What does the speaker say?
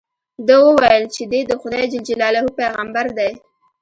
ده وویل چې دې د خدای جل جلاله پیغمبر دی.